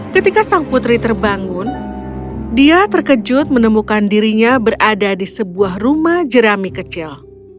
ketika sang putri terbangun dia terkejut menemukan dirinya berada di sebuah rumah jerami kecil